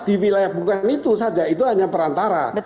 di wilayah bukan itu saja itu hanya perantara